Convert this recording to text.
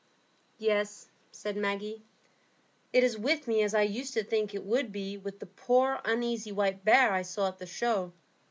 "Yes," said Maggie. "It is with me as I used to think it would be with the poor uneasy white bear I saw at the show.